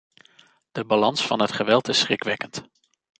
De balans van het geweld is schrikwekkend.